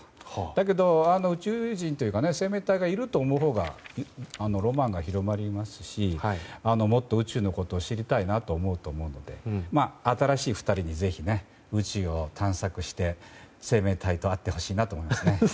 だけど宇宙人、生命体がいると思うほうがロマンが広がりますしもっと宇宙のことを知りたいなと思うと思うので新しい２人にぜひ宇宙を探索して生命体と会ってほしいなと思いますね。